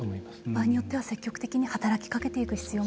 場合によっては積極的に働きかけていく必要も